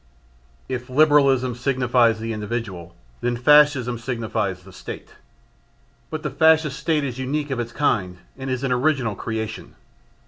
If Liberalism signifies the individual then Fascism signifies the State. But the Fascist State is unique of its kind and is an original creation.